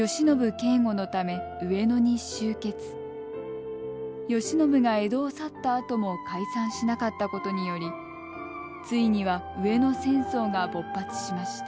慶喜が江戸を去ったあとも解散しなかったことによりついには上野戦争が勃発しました。